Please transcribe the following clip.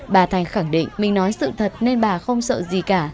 bà thành khẳng định mình nói sự thật nên bà không sợ gì cả